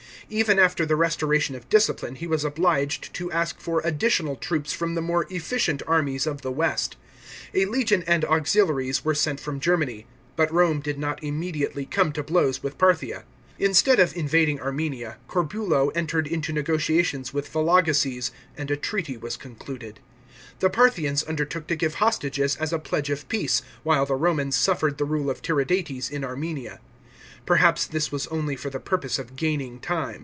Even after the restoration of discipline he was obliged to ask for additional troops from the more efficient armies of the west. A legion and auxiliaries were sent from Germany. But Rome did not immediately come to blows with Parthia. Instead of invading Armenia, Gorbulo entered into negotiations with Vologeses, and a treaty was concluded. The Parthians undertook to give hostages as a pledge of peace, while the Romans suffered the rule of Tiridates in Armenia. Perhaps this was only for the purpose of gaining time.